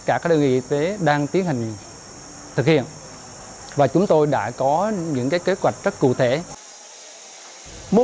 cả các đơn vị y tế đang tiến hành thực hiện và chúng tôi đã có những kế hoạch rất cụ thể